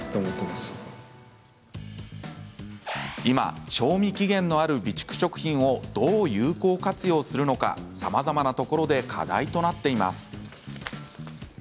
今、賞味期限のある備蓄食品をどう有効活用するのかさまざまなところで課題となっています。